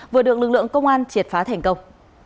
vừa được lực lượng công an triệt phá thành công